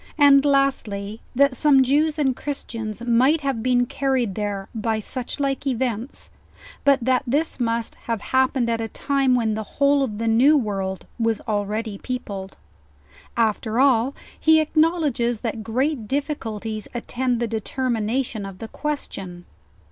And lastly, that some Jews and Christians might have been carried there by such like events, but that this must have happened at a time when the whole of the new world was already peopled. After all, he acknowledges that great difficulties attend the determination of the question.